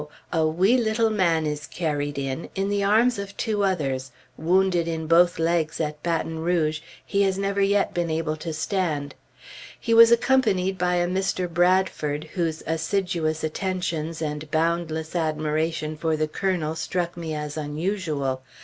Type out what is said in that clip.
a wee little man is carried in, in the arms of two others, wounded in both legs at Baton Rouge, he has never yet been able to stand.... He was accompanied by a Mr. Bradford, whose assiduous attentions and boundless admiration for the Colonel struck me as unusual....